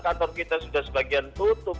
kantor kita sudah sebagian tutup